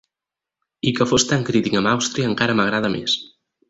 I que fos tan crític amb Àustria encara m'agrada més.